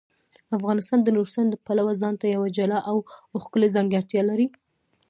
افغانستان د نورستان د پلوه ځانته یوه جلا او ښکلې ځانګړتیا لري.